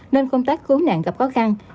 nên công tác cứu nạn gặp khó khăn